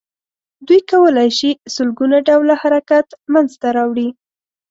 دوی کولای شي سل ګونه ډوله حرکت منځ ته راوړي.